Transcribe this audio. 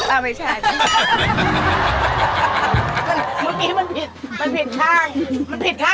อ้าวไม่ใช่